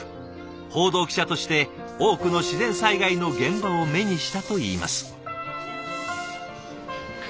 報道記者として多くの自然災害の現場を目にしたといいます。